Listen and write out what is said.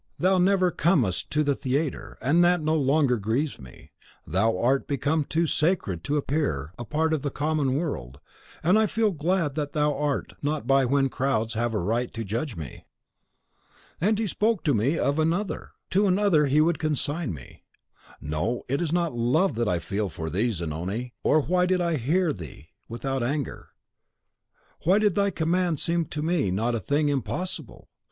Thou never comest to the theatre; and that no longer grieves me. Thou art become too sacred to appear a part of the common world, and I feel glad that thou art not by when crowds have a right to judge me. .... "And he spoke to me of ANOTHER: to another he would consign me! No, it is not love that I feel for thee, Zanoni; or why did I hear thee without anger, why did thy command seem to me not a thing impossible?